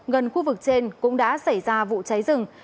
gần khu vực trên cũng đã xảy ra vụ cháy rừng